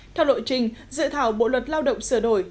theo lộ trình dự thảo bộ luật lao động sửa đổi